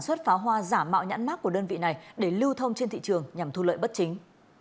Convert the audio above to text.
xuất pháo hoa giả mạo nhãn mát của đơn vị này để lưu thông trên thị trường nhằm thu lợi bất chính